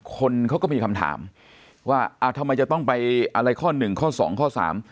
คนเขาก็มีคำถามว่าอ่าทำไมจะต้องไปอะไรข้อหนึ่งข้อสองข้อสาม